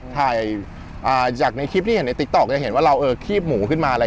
ถ่ายจากในคลิปที่เห็นในติ๊กต๊อกจะเห็นว่าเราเออคีบหมูขึ้นมาอะไร